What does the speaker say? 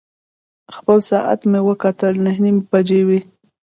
خپل ساعت مې وکتل، نهه نیمې بجې وې.